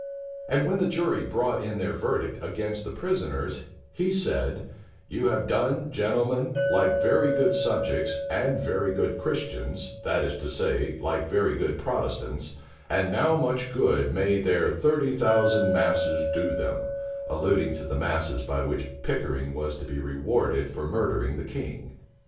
And when the jury brought in their verdict against the prisoners, he said, "You have done, gentlemen, like very good subjects, and very good Christians, that is to say, like very good Protestants, and now much good may their thirty thousand masses do them;" alluding to the masses by which Pickering was to be rewarded for murdering the king.